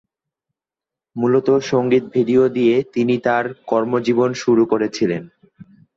মূলত সঙ্গীত ভিডিও দিয়ে তিনি তার কর্মজীবন শুরু করেছিলেন।